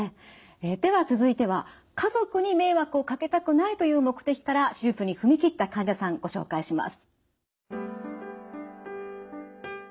では続いては家族に迷惑をかけたくないという目的から手術に踏み切った患者さんご紹介します。